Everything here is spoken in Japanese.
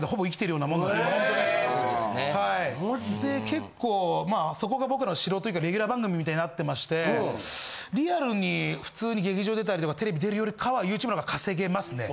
結構そこが僕の城というかレギュラー番組みたいになってましてリアルに普通に劇場出たりとかテレビ出るよりかはＹｏｕＴｕｂｅのほうが稼げますね。